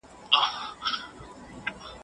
هغه کتاب چې ګټور وي بیا یې ولوله.